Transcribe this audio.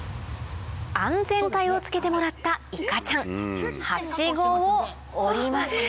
安全帯を着けてもらったいかちゃんはしごを下ります